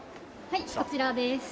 こちらです。